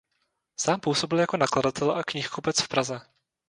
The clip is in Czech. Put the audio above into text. Sám působil jako nakladatel a knihkupec v Praze.